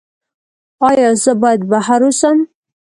ایا زه باید بهر اوسم؟